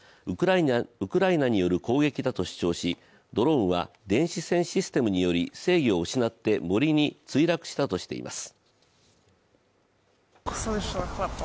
ウクライナによる攻撃だと主張し、ドローンは電子戦システムにより制御を失って森に墜落したとしています。